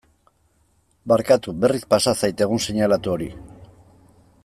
Barkatu, berriz pasa zait egun seinalatu hori.